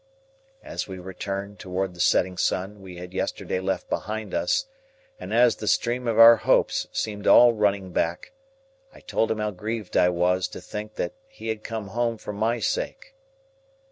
As we returned towards the setting sun we had yesterday left behind us, and as the stream of our hopes seemed all running back, I told him how grieved I was to think that he had come home for my sake.